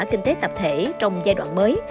kinh tế tập thể trong giai đoạn mới